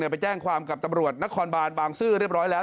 ไปแจ้งความกับตำรวจนครบานบางซื่อเรียบร้อยแล้ว